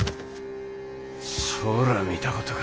そら見たことか。